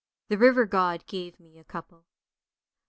The river god gave me a couple.